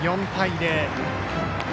４対０。